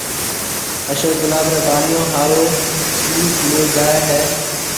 اشوڪ گلاب رَي ٻاݪو ھارو چيز ليَ جائيَ ھيََََ